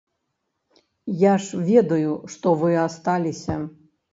Я ж ведаю, што вы асталіся.